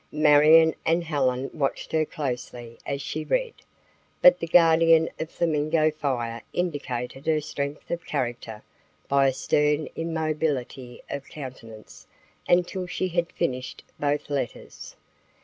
Marion and Helen watched her closely as she read, but the Guardian of Flamingo Fire indicated her strength of character by a stern immobility of countenance until she had finished both letters.